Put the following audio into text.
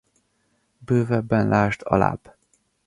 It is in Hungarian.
Bővebben l. alább.